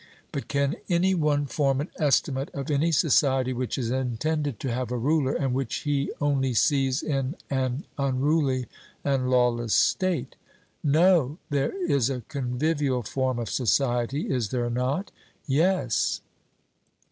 But can any one form an estimate of any society, which is intended to have a ruler, and which he only sees in an unruly and lawless state? 'No.' There is a convivial form of society is there not? 'Yes.'